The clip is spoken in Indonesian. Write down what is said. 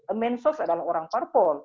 a man source adalah orang parpol